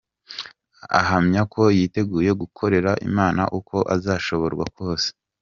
Ahamya ko yiteguye gukorera Imana uko azashoborwa kose.